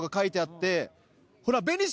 ほら。